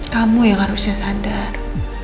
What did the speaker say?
kamu yang harusnya sadar